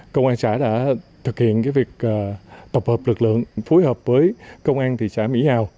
công an xã đã thực hiện việc tập hợp lực lượng phối hợp với công an thị xã mỹ hào